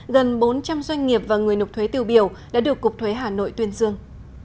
gần bốn trăm linh doanh nghiệp và người nộp thuế tiêu biểu đã được cục thuế hà nội tuyên dương